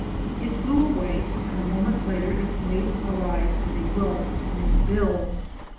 It flew away and a mo ment later its mate arrived with a grub in its bill.